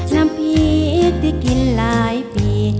น้ำพริกที่กินหลายปี